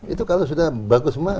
itu kalau sudah bagus semua